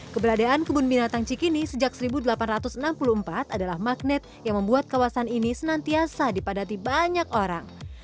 keberadaan kebun binatang cikini sejak seribu delapan ratus enam puluh empat adalah magnet yang membuat kawasan ini senantiasa dipadati banyak orang